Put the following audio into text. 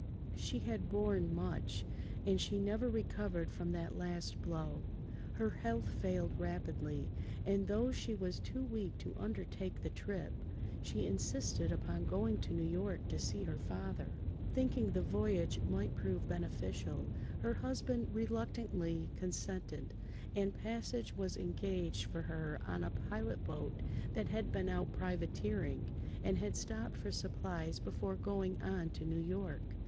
She had borne much, and she never recovered from that last blow. Her health failed rapidly, and though she was too weak to undertake the trip, she insisted upon going to New York to see her father. Thinking the voyage might prove beneficial, her husband reluctantly consented, and passage was engaged for her on a pilot boat that had been out privateering, and had stopped for supplies before going on to New York.